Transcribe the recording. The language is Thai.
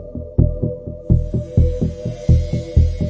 ทำร้ายจนเสียชีวิตใช่ไหมครับใช่อืมถามนิดหนึ่งว่าพ่อมองพ่อมองเรื่องนี้ยังไงว่า